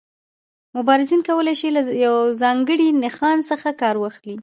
مبارزین کولای شي له یو ځانګړي نښان څخه کار واخلي.